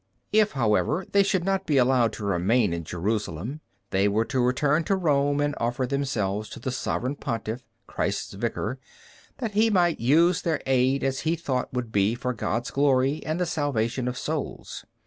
If, however, they should not be allowed to remain in Jerusalem, they were to return to Rome and offer themselves to the Sovereign Pontiff, Christ's Vicar, that he might use their aid as he thought would be for God's glory and the salvation of souls.